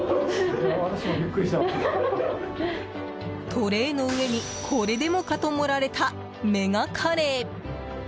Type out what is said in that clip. トレーの上にこれでもかと盛られたメガカレー。